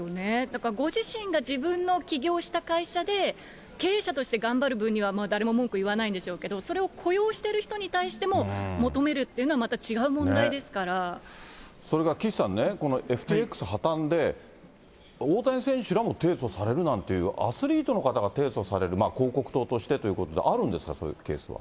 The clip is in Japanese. だからご自身が自分の起業した会社で、経営者として頑張る分には誰も文句言わないんでしょうけど、それを雇用している人に対しても求めるっていうのは、また違う問それから岸さんね、このＦＴＸ破綻で、大谷選手らも提訴されるなんていう、アスリートの方が提訴される、広告塔としてということで、あるんですか、こういうケースは。